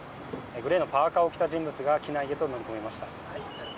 グレーのパーカを着た人物が機内へと乗り込みました。